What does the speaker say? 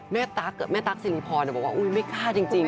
ตั๊กแม่ตั๊กสิริพรบอกว่าอุ๊ยไม่กล้าจริง